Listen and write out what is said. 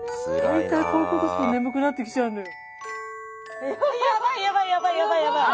大体こういうことすると眠くなってきちゃうのよ。